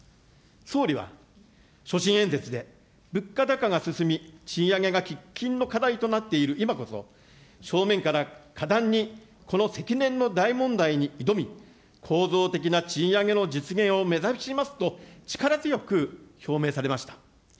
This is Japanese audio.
総理は所信演説で、物価高が進み、賃上げが喫緊の課題となっている今こそ、正面から果断にこの積年の大問題に挑み、構造的な賃上げの実現を目指しますと、力強く表明されました。